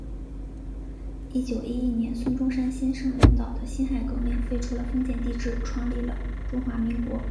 一九一一年孙中山先生领导的辛亥革命，废除了封建帝制，创立了中华民国。